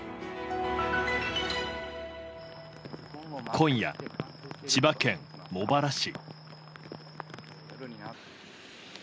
今夜、千葉県茂原市。